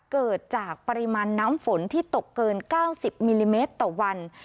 เกิดจากปริมาณน้ำฝนที่ตกเกิน๙๐มิลลิเมตรต่อวัน